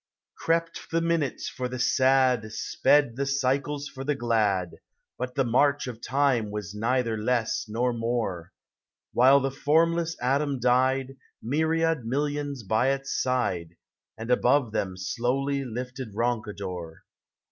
Crept the minutes for the sad, Sped the cycles for the glad, But the march of time was neither less nor more ; While the formless atom died, Myriad millions by its side, And above them slowly lifted Roncador.